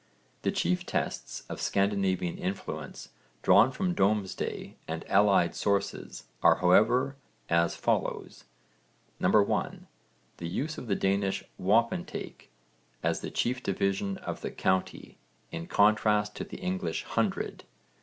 The chief tests of Scandinavian influence, drawn from Domesday and allied sources, are however as follows: (1) The use of the Danish 'wapentake' as the chief division of the county in contrast to the English 'hundred.'